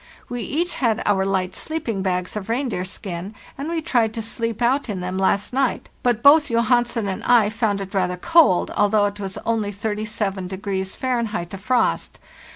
We each had our hght sleeping bags of reindeer skin, and we tried to sleep out in them last night, but both Johansen and I found it rather cold, although it was only 37 Fahr. of frost.